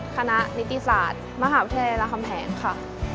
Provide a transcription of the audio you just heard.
คณะนิติศาสตร์มหาวิทยาลัยรามคำแหงค่ะ